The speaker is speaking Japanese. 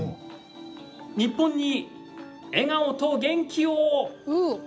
「日本に笑顔と元気を」。